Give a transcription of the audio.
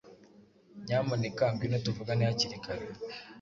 Nyamuneka ngwino tuvugane hakiri kare